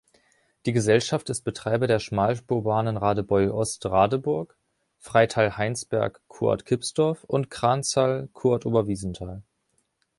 Die Gesellschaft ist Betreiber der Schmalspurbahnen Radebeul Ost–Radeburg, Freital-Hainsberg–Kurort Kipsdorf und Cranzahl–Kurort Oberwiesenthal.